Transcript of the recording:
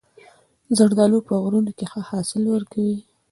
زردالو په غرونو کې ښه حاصل ورکوي.